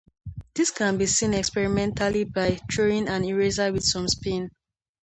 This can be seen experimentally by throwing an eraser with some spin.